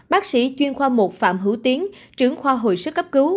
bác sĩ chuyên khoa một phạm hữu tiến trưởng khoa hồi sức cấp cứu